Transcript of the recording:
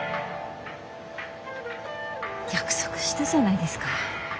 約束したじゃないですか。